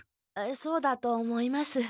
そうだと思います。